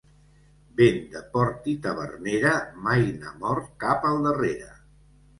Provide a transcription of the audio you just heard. Vent de port i tavernera, mai n'ha mort cap al darrere.